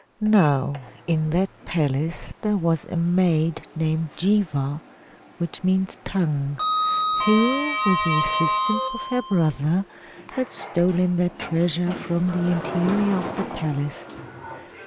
Now, in that palace there was a maid named Jihva (which means Tongue), who, with the assistance of her brother, had stolen that treasure from the interior of the palace.